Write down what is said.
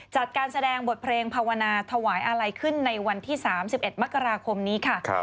จัดการแสดงบทเพลงภาวนาถวายอะไรขึ้นในวันที่๓๑มกราคมนี้ค่ะ